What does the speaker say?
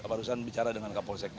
barusan bicara dengan kapolseknya